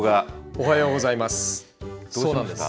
おはようございます。